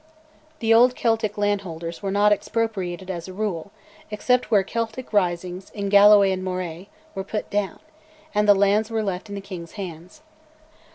The old Celtic landholders were not expropriated, as a rule, except where Celtic risings, in Galloway and Moray, were put down, and the lands were left in the King's hands.